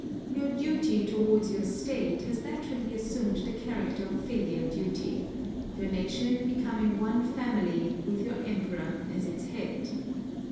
Your duty towards your state has naturally assumed the character of filial duty, your nation becoming one family with your Emperor as its head.